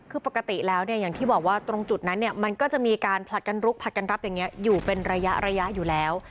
คือปกติแล้วเนี่ยอย่างที่บอกว่าตรงจุดนั้นเนี่ยมันก็จะมีการผลัดกันลุกผลัดกันรับอย่างนี้อยู่เป็นระยะอยู่แล้ว